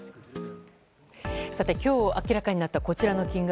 今日、明らかになったこちらの金額。